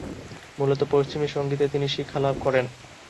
মূলত পশ্চিমি সংগীতে তিনি শিক্ষা লাভ করেন।